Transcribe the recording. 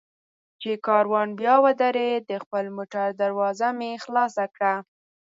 چې کاروان بیا ودرېد، د خپل موټر دروازه مې خلاصه کړه.